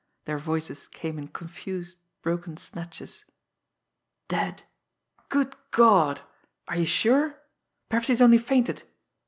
Their voices came in confused, broken, snatches: "... Dead!... Good God!... Are you sure?... Perhaps he's only fainted....